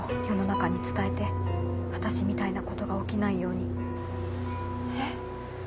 世の中に伝えて私みたいなことが起きないようにえっ？